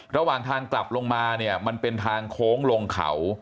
ระหว่างทางกลับลงมาเนี่ยมันเป็นทางโค้งลงเขา